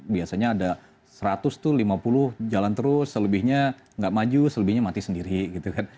biasanya ada seratus tuh lima puluh jalan terus selebihnya nggak maju selebihnya mati sendiri gitu kan